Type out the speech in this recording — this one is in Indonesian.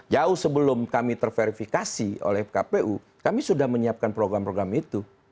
jauh sebelum kami terverifikasi oleh kpu kami sudah menyiapkan program program itu